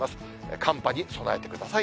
寒波に備えてください。